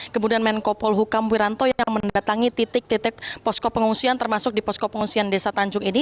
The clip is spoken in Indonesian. kemudian menko polhukam wiranto yang mendatangi titik titik posko pengungsian termasuk di posko pengungsian desa tanjung ini